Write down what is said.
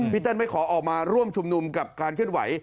เติ้ลไม่ขอออกมาร่วมชุมนุมกับการเคลื่อนไหว